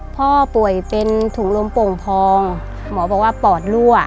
พ่อป่วยเป็นถุงลมโป่งพองหมอบอกว่าปอดรั่ว